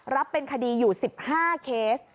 รับเป็นคดีอยู่สิบห้าเคส